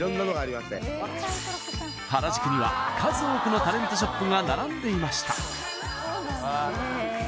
原宿には数多くのタレントショップが並んでいました